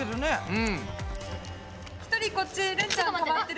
うん。